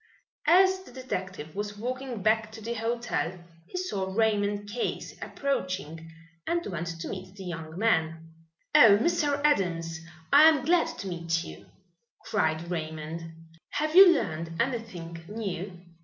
As the detective was walking back to the hotel he saw Raymond Case approaching and went to meet the young man. "Oh, Mr. Adams, I am glad to meet you," cried Raymond. "Have you learned anything new?"